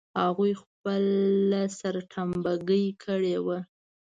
هغوی خپله سرټمبه ګي کړې وه.